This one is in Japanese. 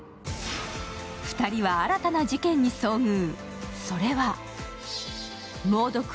２人は新たな事件に遭遇。